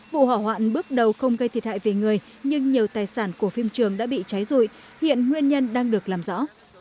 vụ hỏa hoạn bước đầu không gây thiệt hại về người nhưng nhiều tài sản của phim trường đã bị cháy rụi hiện nguyên nhân đang được làm rõ